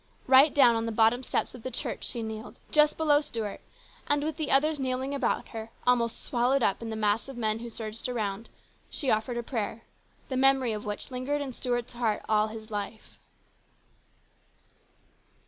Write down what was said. Right down on the bottom steps of the church she kneeled, just below Stuart, and with the others kneeling about her, almost swallowed up in the mass of men who surged around, she offered a prayer, the memory of which lingered in Stuart's heart all his life.